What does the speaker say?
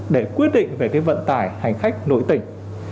để quyết định về cái vận tải hành khách nội tỉnh